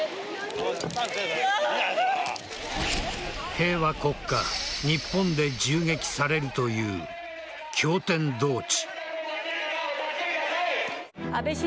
平和国家・日本で銃撃されるという驚天動地。